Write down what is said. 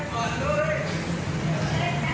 จับเลยพี่